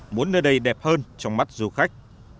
muốn nơi đây đẹp hơn trong mắt du khách